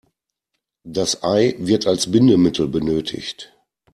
Das Ei wird als Bindemittel benötigt.